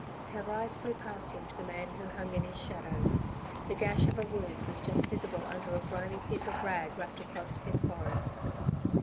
Her eyes flew past him to the man who hung in his shadow. The gash of a wound was just visible under a grimy piece of rag wrapped across his forehead.